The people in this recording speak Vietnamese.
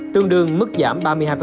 tương đương mức giảm ba mươi hai